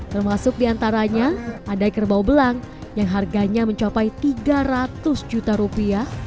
termasuk diantaranya ada kerbau belang yang harganya mencapai tiga ratus juta rupiah